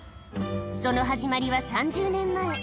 その始まりは３０年前。